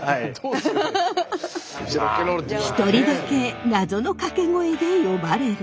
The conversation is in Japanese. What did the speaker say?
一人だけ謎の掛け声で呼ばれる。